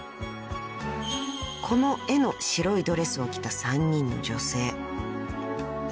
［この絵の白いドレスを着た３人の女性］